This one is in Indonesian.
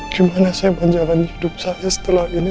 gimana saya menjalani hidup saya setelah ini tanpa kamu